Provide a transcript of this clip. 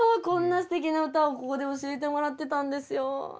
こんなすてきな歌をここで教えてもらってたんですよ。